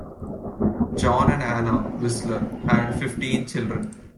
John and Anna Whistler had fifteen children.